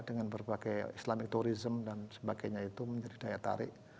dengan berbagai islamicturism dan sebagainya itu menjadi daya tarik